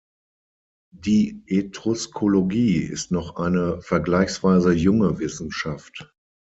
Die Etruskologie ist noch eine vergleichsweise junge Wissenschaft.